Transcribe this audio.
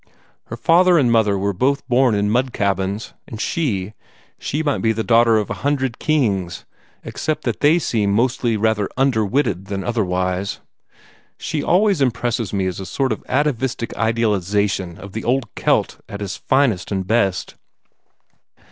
Her father and mother were both born in mud cabins, and she she might be the daughter of a hundred kings, except that they seem mostly rather under witted than otherwise. She always impresses me as a sort of atavistic idealization of the old Kelt at his finest and best.